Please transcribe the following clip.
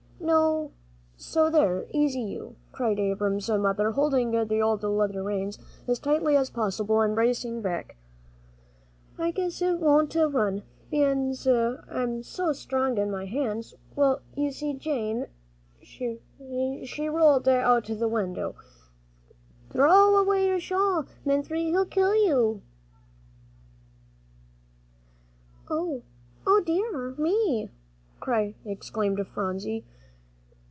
"No; sho there, easy, you!" cried Abram's mother, holding the old leather reins as tightly as possible, and bracing back; "I guess he won't run, bein's I'm so strong in my hands. Well, you see Jane she hollered out o' th' window, 'Throw away your shawl, M'rinthy, he'll kill you.'" "O dear me!" exclaimed Phronsie.